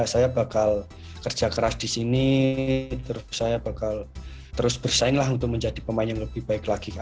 saya bakal kerja keras di sini terus saya bakal terus bersaing lah untuk menjadi pemain yang lebih baik lagi